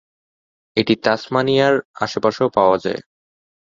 এটি তাসমানিয়ার আশেপাশেও পাওয়া যায়।